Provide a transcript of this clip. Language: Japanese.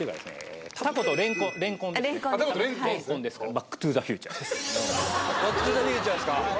『バック・トゥ・ザ・フューチャー』ですか。